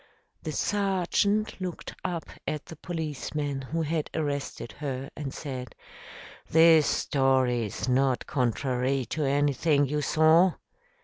The sergeant looked up at the policeman who had arrested her and said, "This story is not contrary to anything you saw?"